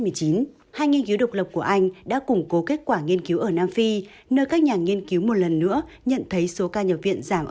hai nghiên cứu độc lập của anh đã củng cố kết quả nghiên cứu ở nam phi nơi các nhà nghiên cứu một lần nữa nhận thấy số ca nhập viện giảm